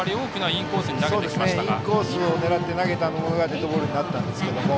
インコースに投げたボールがデッドボールになったんですが